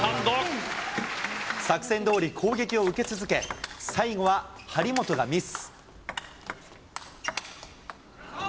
作戦どおり攻撃を受け続け、最後は張本がミス。